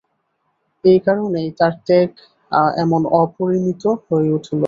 এই কারণেই তার ত্যাগ এমন অপরিমিত হয়ে উঠল।